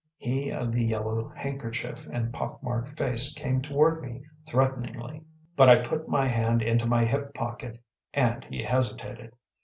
He of the yellow handkerchief and pock marked face came toward me threateningly, but I put my hand into my hip pocket, and he hesitated.